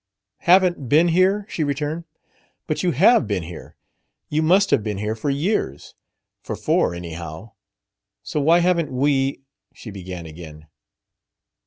"Haven't been here?" she returned. "But you have been here; you must have been here for years for four, anyhow. So why haven't we...?" she began again.